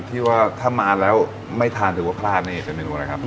ที่ว่าถ้ามาแล้วไม่ทานหรือว่าพลาดนี่เป็นเมนูอะไรครับ